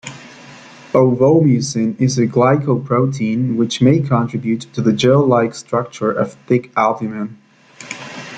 Ovomucin is a glycoprotein which may contribute to the gel-like structure of thick albumen.